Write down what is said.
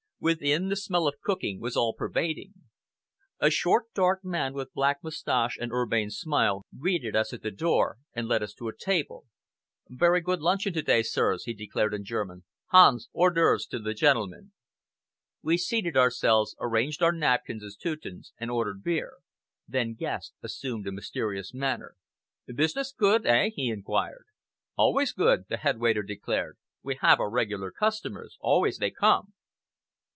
Within, the smell of cooking was all pervading. A short dark man, with black moustache and urbane smile, greeted us at the door, and led us to a table. "Very good luncheon to day, sirs," he declared in German. "Hans, hors d'oeuvres to the gentlemen." We seated ourselves, arranged our napkins as Teutons, and ordered beer. Then Guest assumed a mysterious manner. "Business good, eh?" he inquired. "Always good," the head waiter declared. "We have our regular customers. Always they come!"